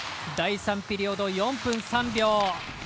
第３ピリオド、４分３秒。